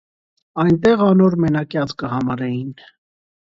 Այնտեղ անոր մենակեաց կը համարէին։